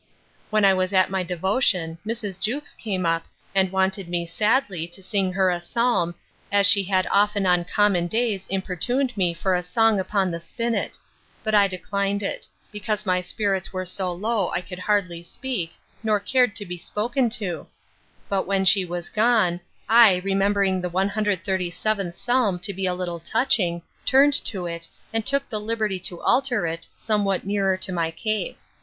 When I was at my devotion, Mrs. Jewkes came up, and wanted me sadly to sing her a psalm, as she had often on common days importuned me for a song upon the spinnet: but I declined it, because my spirits were so low I could hardly speak, nor cared to be spoken to; but when she was gone, I remembering the cxxxviith psalm to be a little touching, turned to it, and took the liberty to alter it, somewhat nearer to my case.